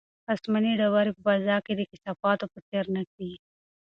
آسماني ډبرې په فضا کې د کثافاتو په څېر نه دي.